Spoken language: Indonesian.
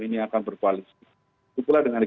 ini akan berkoalisi itulah dengan